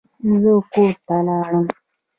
زه کور ته لاړم.